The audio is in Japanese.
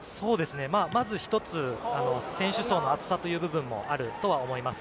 まず１つ、選手層の厚さという部分もあるとは思います。